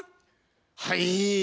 はい。